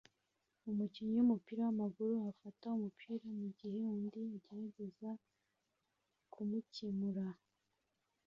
Umukinnyi wumupira wamaguru afata umupira mugihe undi agerageza kumukemura